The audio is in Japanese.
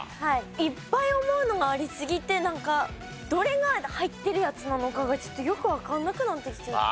いっぱい思うのがありすぎてなんかどれが入ってるやつなのかがちょっとよくわかんなくなってきてる。